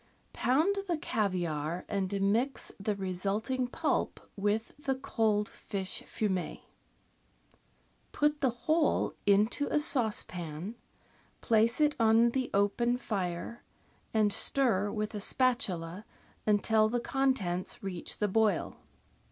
— Pound the caviare and mix the result ing pulp with the cold fish fumet. Put the whole into a sauce pan, place it on the open fire, and stir with a spatula until the contents reach the boil.